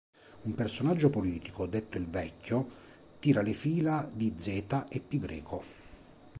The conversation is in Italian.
Un personaggio politico detto il Vecchio tira le fila di Zeta e Pi greco.